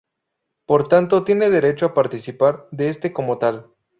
Por tanto tiene derecho a participar de este como tal.